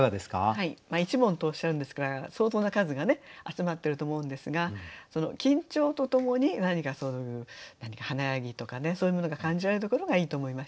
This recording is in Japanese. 「一門」とおっしゃるんですから相当な数がね集まってると思うんですが緊張とともに何かそういう華やぎとかねそういうものが感じられるところがいいと思いました。